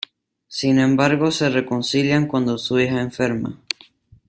Sin embargo se reconcilian cuando su hija enferma.